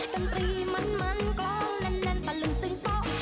ดังตรีมันมันกล้องนั้นนั้นตะลึงตึงก๊อก